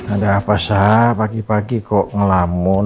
ada apa sah pagi pagi kok ngelamun